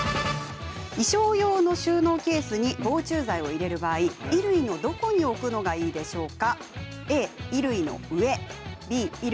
衣装用の収納ケースに防虫剤を入れる場合衣類のどこに置くのがいいでしょうか。